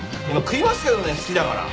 食いますけどね好きだから。